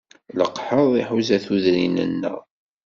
Leqḥeḍ iḥuza tudrin-nneɣ.